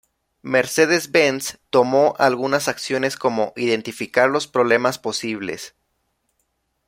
Mercedes-Benz tomó algunas acciones como, identificar los problemas posibles.